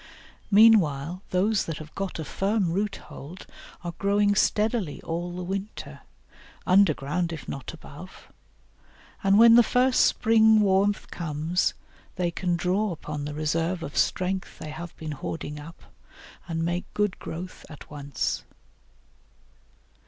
Meanwhile those that have got a firm root hold are growing steadily all the winter, underground if not above; and when the first spring warmth comes they can draw upon the reserve of strength they have been hoarding up, and make good growth at once.